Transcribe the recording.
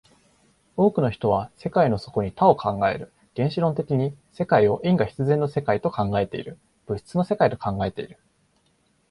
多くの人は世界の底に多を考える、原子論的に世界を因果必然の世界と考えている、物質の世界と考えている。